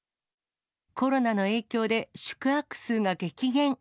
コロナの影響で宿泊数が激減。